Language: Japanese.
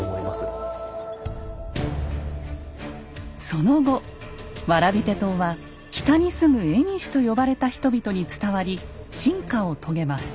その後蕨手刀は北に住む蝦夷と呼ばれた人々に伝わり進化を遂げます。